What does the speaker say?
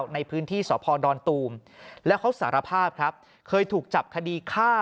ในพื้นที่สพดอนตูมแล้วเขาสารภาพครับเคยถูกจับคดีฆ่า